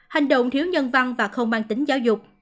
hành động thiếu nhân văn và không mang tính giáo dục